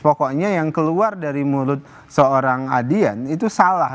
pokoknya yang keluar dari mulut seorang adian itu salah